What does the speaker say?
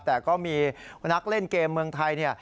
แต่ก็มีนักเล่นเกมเมืองไทยเนี่ย